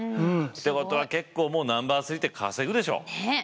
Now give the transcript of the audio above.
ってことは結構もうナンバー３って稼ぐでしょう？ね！